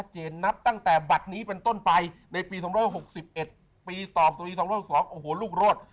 เจนนับตั้งแต่บัตรนี้เป็นต้นไปในปี๒๖๑ปีตอบสตรี๒๖๒โอ้โหลูกโรด